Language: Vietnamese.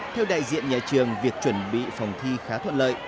theo đại diện nhà trường việc chuẩn bị phòng thi khá thuận lợi